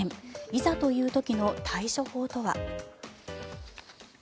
いざという時の対処法とは。